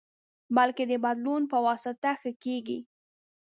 بلکې د بدلون پواسطه ښه کېږي.